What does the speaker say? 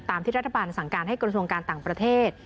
ที่รัฐบาลสั่งการให้กระทรวงการต่างประเทศ